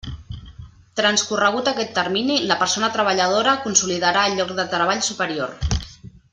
Transcorregut aquest termini, la persona treballadora consolidarà el lloc de treball superior.